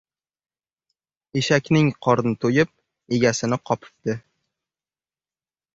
• Eshakning qorni to‘yib egasini qopibdi.